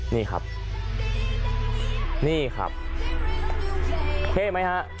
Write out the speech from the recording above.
นี่ครับนี่ครับเท่ไหมฮะ